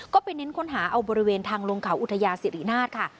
ก็ไปเน้นค้นหาเอาบริเวณทางลงเขาอุทยาศิรินาทค่ะ